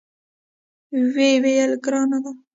ویې ویل: ګرانه ده.